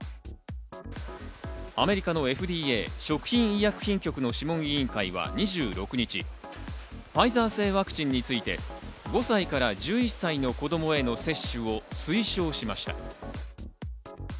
アメリカのＦＤＡ＝食品医薬品局の諮問委員会は２６日、ファイザー製ワクチンについて、５歳から１１歳の子供への接種を推奨しました。